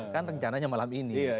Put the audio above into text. kan rencananya malam ini